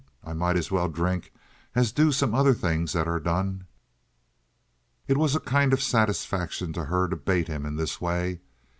I might as well drink as do some other things that are done." It was a kind of satisfaction to her to bait him in this way.